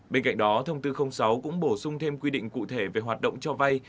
bên cạnh đó thông tư sáu cũng bổ sung thêm quy định cụ thể về hoạt động cho vay